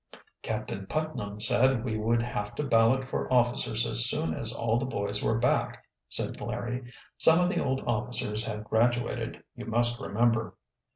"Captain Putnam said we would have to ballot for officers as soon as all the boys were back," said Larry. "Some of the old officers have graduated, you must remember."